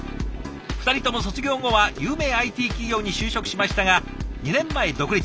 ２人とも卒業後は有名ＩＴ企業に就職しましたが２年前独立。